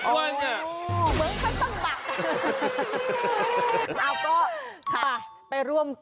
เหมือนเขาต้องบัง